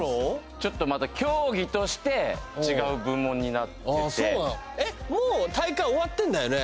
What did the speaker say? ちょっとまた競技として違う部門になっててもう大会終わってんだよね？